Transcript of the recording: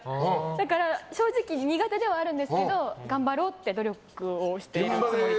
だから正直苦手ではあるんですけど頑張ろうって努力をしているつもりです。